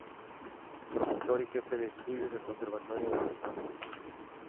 Profesor y Jefe de Estudios del Conservatorio de Ferraz.